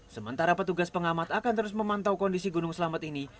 sementara petugas pengamat akan terus memantau kondisi gunung selamet ini